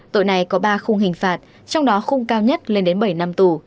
tội này có ba khung hình phạt trong đó khung cao nhất lên đến bảy năm tù